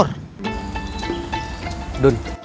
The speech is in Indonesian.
berarti mobil menuju ke arah pokur